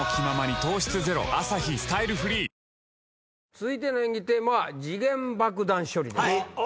続いての演技テーマは時限爆弾処理です。